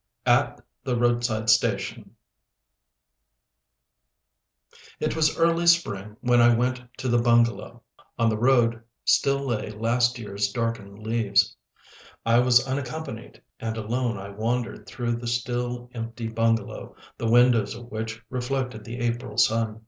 AT THE ROADSIDE STATION It was early spring when I went to the bungalow. On the road still lay last year's darkened leaves. I was unaccompanied; and alone I wandered through the still empty bungalow, the windows of which reflected the April sun.